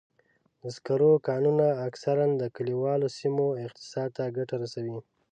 د سکرو کانونه اکثراً د کلیوالو سیمو اقتصاد ته ګټه رسوي.